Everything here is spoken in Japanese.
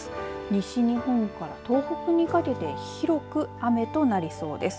西日本から東北にかけて広く雨となりそうです。